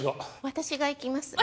私が行きます。